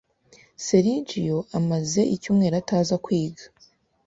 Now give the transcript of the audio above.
Sergio amaze icyumweru ataza kwiga.